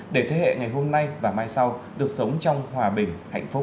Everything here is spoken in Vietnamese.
để thế hệ ngày hôm nay và mai sau được sống trong hòa bình hạnh phúc